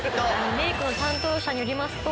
メークの担当者によりますと。